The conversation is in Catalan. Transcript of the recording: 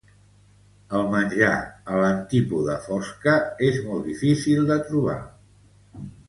El menjar a l'Antípoda Fosca és molt difícil de trobar.